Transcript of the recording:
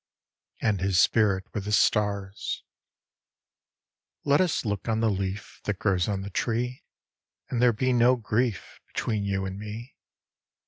And his Spirit with the Stars LET us look on the leaf That grows on the tree, And there be no grief Between you and me.